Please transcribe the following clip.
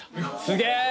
すげえ。